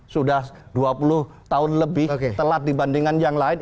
sudah dua puluh tahun lebih telat dibandingkan yang lain